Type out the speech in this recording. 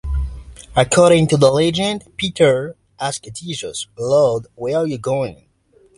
According to the legend, Peter asked Jesus, Lord, where are you going?